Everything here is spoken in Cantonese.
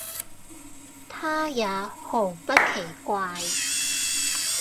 他也毫不奇怪，